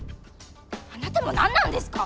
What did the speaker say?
あなたも何なんですか！？